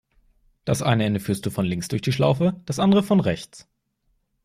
Das eine Ende führst du von links durch die Schlaufe, das andere von rechts.